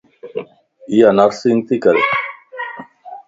ايانرسنگ تي ڪري